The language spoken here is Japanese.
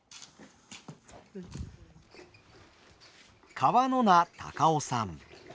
川野名孝雄さん。